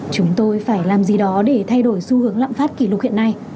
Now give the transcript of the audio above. chúng tôi phải làm gì đó để thay đổi xu hướng lạm phát kỷ lục hiện nay